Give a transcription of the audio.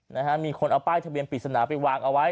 นะฮะมีคนเอาป้ายทะเบียนปริศนาไปวางเอาไว้